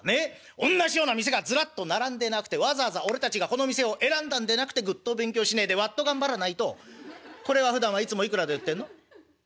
おんなしような店がずらっと並んでなくてわざわざ俺たちがこの店を選んだんでなくてぐっと勉強しねえでわっと頑張らないとこれはふだんはいつもいくらで売ってんの？」。